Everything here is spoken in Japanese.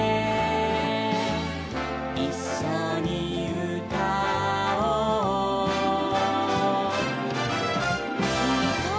「いっしょにうたおう」「ひとりぼっちじゃ」